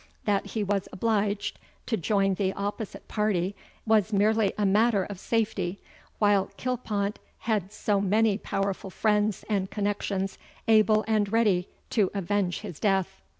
That he was obliged to join the opposite party, was merely a matter of safety, while Kilpont had so many powerful friends and connexions able and ready to avenge his death.